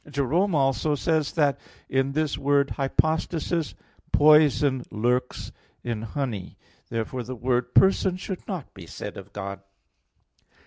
Jerome also says (Ep. ad Damas.) that, "in this word hypostasis, poison lurks in honey." Therefore the word "person" should not be said of God.